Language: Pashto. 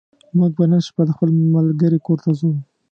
موږ به نن شپه د خپل ملګرې کور ته ځو